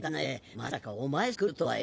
まさかお前さんが来るとはよ。